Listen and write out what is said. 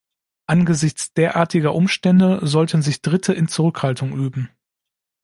Angesichts derartiger Umstände sollten sich Dritte in Zurückhaltung üben.